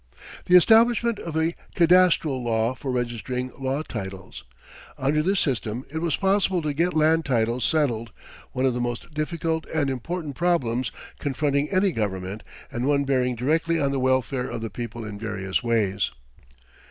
The establishment of a cadastral law for registering law titles. "Under this system it was possible to get land titles settled, one of the most difficult and important problems confronting any government and one bearing directly on the welfare of the people in various ways.